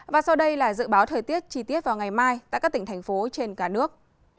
và sau đây là dự báo thời tiết chi tiết vào ngày mai tại các tỉnh thành phố trên cả nước